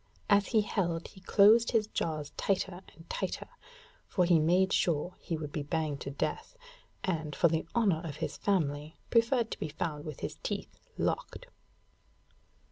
As he held he closed his jaws tighter and tighter, for he made sure he would be banged to death, and, for the honour of his family, preferred to be found with his teeth locked.